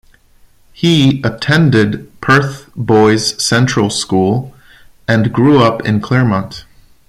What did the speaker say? He attended Perth Boys Central School and grew up in Claremont.